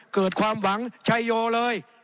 เกิดความหวังชัยโยเลย